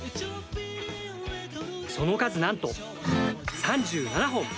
その数、なんと３７本。